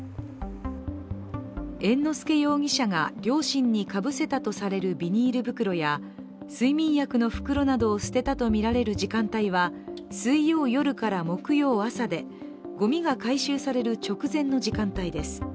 猿之助容疑者が両親にかぶせたとされるビニール袋や睡眠薬の袋などを捨てたとみられる時間帯は水曜夜から木曜朝で、ゴミが回収される直前の時間帯です。